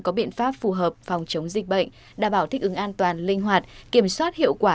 có biện pháp phù hợp phòng chống dịch bệnh đảm bảo thích ứng an toàn linh hoạt kiểm soát hiệu quả